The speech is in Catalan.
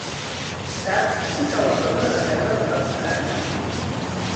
Saps si cau a prop de la Serra d'en Galceran?